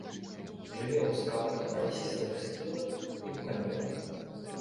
Жыве ў скалах, на лясістых схілах і ў каньёнах.